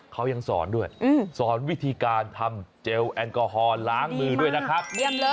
เขายังสอนด้วยสอนวิธีการทำเจลแอลกอฮอลล้างมือด้วยนะครับ